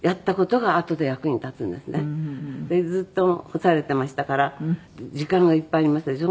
ずっと干されてましたから時間がいっぱいありますでしょ。